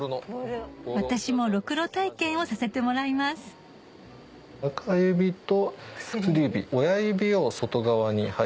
私もろくろ体験をさせてもらいます中指と薬指親指を外側に。